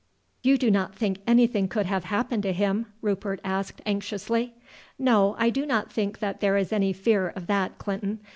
"You do not think anything could have happened to him?" Rupert asked anxiously. "No, I do not think that there is any fear of that, Clinton.